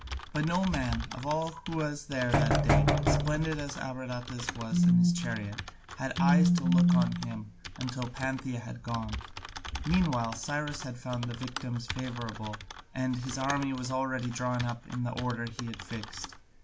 But no man, of all who was there that day, splendid as Abradatas was in his chariot, had eyes to look on him until Pantheia had gone. Meanwhile Cyrus had found the victims favourable, and his army was already drawn up in the order he had fixed.